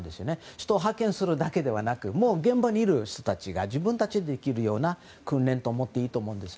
人を派遣するだけではなく現場にいる人たちが自分たちでできるような訓練だと思っていいと思います。